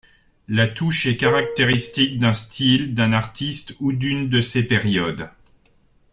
La touche est caractéristique d'un style, d'un artiste ou d'une de ses périodes.